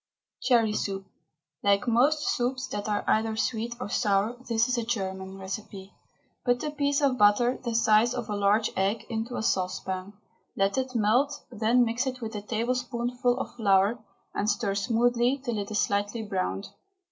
CHERRY SOUP. Like most soups that are either sweet or sour, this is a German recipe. Put a piece of butter, the size of a large egg, into a saucepan. Let it melt, then mix it with a tablespoonful of flour, and stir smoothly until it is lightly browned.